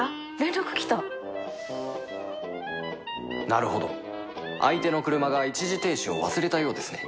なるほど相手の車が一時停止を忘れたようですね